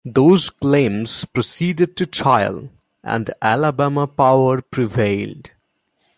Those claims proceeded to trial, and Alabama Power prevailed.